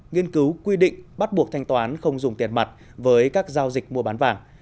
nghiên cứu quy định bắt buộc thanh toán không dùng tiền mặt với các giao dịch mua bán vàng